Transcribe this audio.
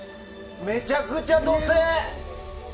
めちゃくちゃ土星。